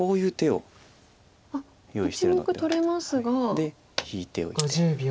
で引いておいて。